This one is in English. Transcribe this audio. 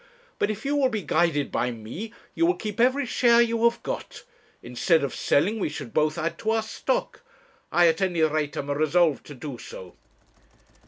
But if you will be guided by me you will keep every share you have got. Instead of selling we should both add to our stock. I at any rate am resolved to do so.'